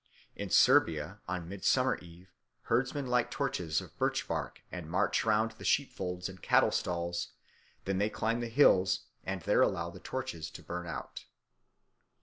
In Serbia on Midsummer Eve herdsmen light torches of birch bark and march round the sheepfolds and cattle stalls; then they climb the hills and there allow the torches to burn out.